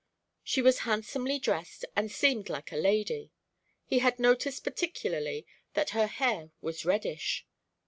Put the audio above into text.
She was handsomely dressed and seemed like a lady; he had noticed particularly that her hair was reddish.